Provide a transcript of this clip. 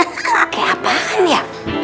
kayak apaan ya